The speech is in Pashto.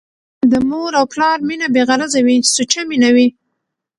د مور او پلار مينه بې غرضه وي ، سوچه مينه وي